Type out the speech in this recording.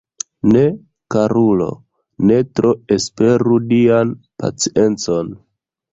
Ne, karulo, ne tro esperu Dian paciencon!